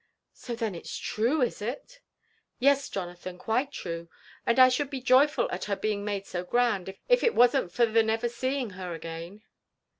So then it's true, is it?" '' Y^es, Jonathan, quite true ; and I should be joyful at her being made so grand, if it wasn't for the never seeing her again."